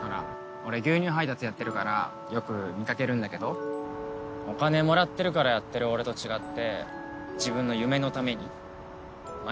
俺牛乳配達やってるからよく見かけるんだけどお金もらってるからやってる俺と違って自分の夢のために毎朝続けるって相当だよ